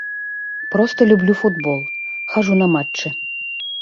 Проста люблю футбол, хаджу на матчы.